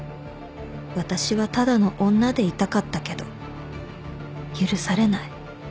「私はただの女でいたかったけど許されない」